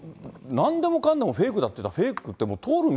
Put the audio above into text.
なんでもかんでもフェイクだって言ったら、フェイクってもう通る